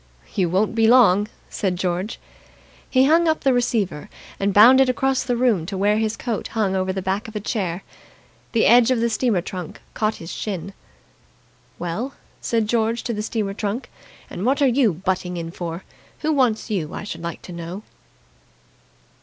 "You won't be long!" said George. He hung up the receiver, and bounded across the room to where his coat hung over the back of a chair. The edge of the steamer trunk caught his shin. "Well," said George to the steamer trunk, "and what are you butting in for? Who wants you, I should like to know!"